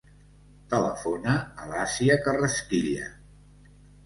Telefona a l'Àsia Carrasquilla.